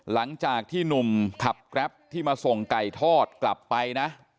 หลังจากที่หนุ่มขับแกรปที่มาส่งไก่ทอดกลับไปนะ